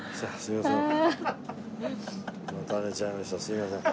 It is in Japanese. すみません。